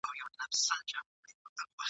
ته به لېري په پټي کي خپل واښه کړې ..